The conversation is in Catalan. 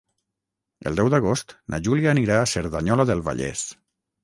El deu d'agost na Júlia anirà a Cerdanyola del Vallès.